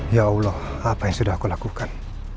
ya allah apa yang sudah aku lakukan